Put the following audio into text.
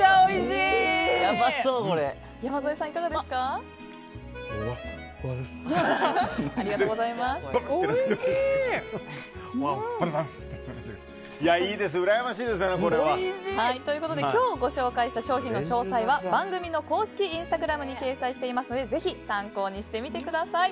いいです、羨ましいです。ということで今日ご紹介した商品の詳細は番組の公式インスタグラムに掲載していますのでぜひ参考にしてみてください。